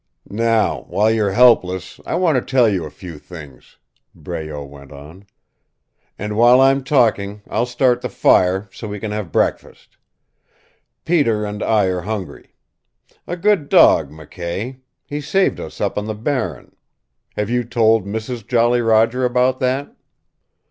"Now, while you're helpless, I want to tell you a few things," Breault went on. "And while I'm talking I'll start the fire, so we can have breakfast. Peter and, I are hungry. A good dog, McKay. He saved us up on the Barren. Have you told Mrs. Jolly Roger about that?"